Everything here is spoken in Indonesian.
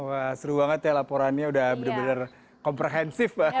wah seru banget ya laporannya udah bener bener komprehensif pak